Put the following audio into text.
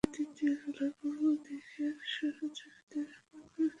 একপর্যায়ে তৃতীয় তলার পূর্ব দিকের শৌচাগারে ইতির মুঠোফোনের শব্দ শুনতে পায় তারা।